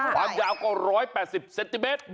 ความยาวก็๑๘๐เซนติเมตร